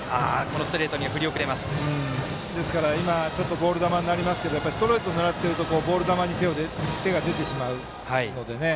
ボール球になりますけどストレート狙ってるとボール球に手が出てしまうのでね。